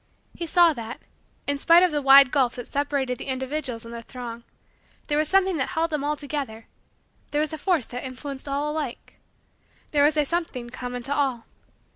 He saw that, in spite of the wide gulf that separated the individuals in the throng, there was a something that held them all together there was a force that influenced all alike there was a something common to all.